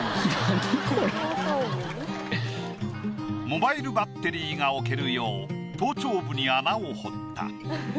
モバイルバッテリーが置けるよう頭頂部に穴を彫った。